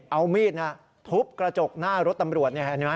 เอามีดทุบกระจกหน้ารถตำรวจ